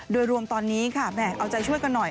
โดยรวมตอนนี้ค่ะแม่เอาใจช่วยกันหน่อย